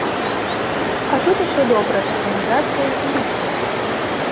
А тут усё добра з арганізацыяй і людзьмі.